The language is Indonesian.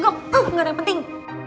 gak tuh gak ada yang penting